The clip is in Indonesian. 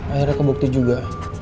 akhirnya kebukti juga